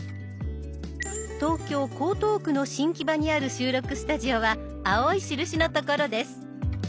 東京・江東区の新木場にある収録スタジオは青い印の所です。